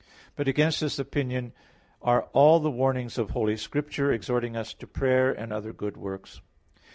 But against this opinion are all the warnings of Holy Scripture, exhorting us to prayer and other good works.